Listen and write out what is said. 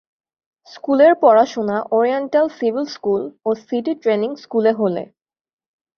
স্কুলের পড়াশোনা Oriental Civil School ও সিটি ট্রেনিং স্কুলে হলে।